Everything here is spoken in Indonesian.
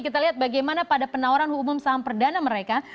kita lihat bagaimana pada penawaran umum saham perdana mereka